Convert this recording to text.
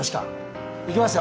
いきますよ！